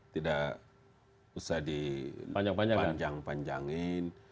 tidak usah dipanjang panjangin